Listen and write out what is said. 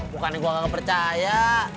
bukannya gue gak percaya